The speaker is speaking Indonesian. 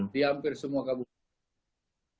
di hampir semua kabupaten